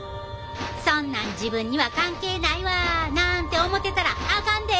そんなん自分には関係ないわなんて思てたらあかんで！